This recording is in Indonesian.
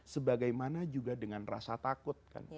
sebagaimana juga dengan rasa takut